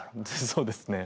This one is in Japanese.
そうですね。